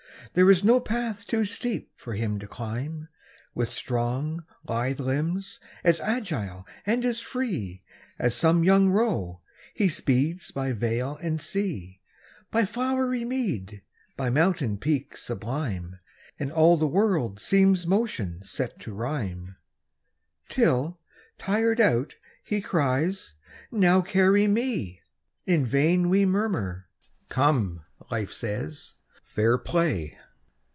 There is no path too steep for him to climb. With strong, lithe limbs, as agile and as free, As some young roe, he speeds by vale and sea, By flowery mead, by mountain peak sublime, And all the world seems motion set to rhyme, Till, tired out, he cries, "Now carry me!" In vain we murmur; "Come," Life says, "Fair play!"